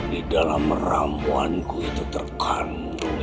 di dalam meramuanku itu terkandung